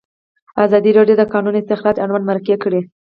ازادي راډیو د د کانونو استخراج اړوند مرکې کړي.